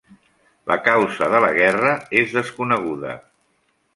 La causa de la guerra és desconeguda.